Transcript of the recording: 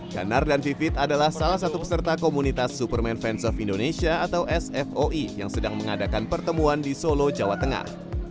ganar dan vivit adalah salah satu peserta komunitas superman fans of indonesia atau sfoi yang sedang mengadakan pertemuan di solo jawa tengah